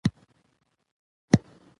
د رسنیو له لارې ژبه پراخېدای سي.